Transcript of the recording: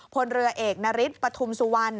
พลเรือเอกนาริสปธุมสุวรรณ